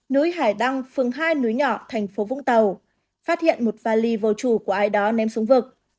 núi hải đăng phường hai núi nhỏ thành phố vũng tàu phát hiện một vali vô chủ của ai đó ném xuống vực